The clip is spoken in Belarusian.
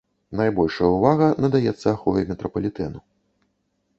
Найбольшая ўвага надаецца ахове метрапалітэну.